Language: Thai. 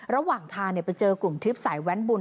ระหว่างทางไปเจอกลุ่มทริปสายแว้นบุญ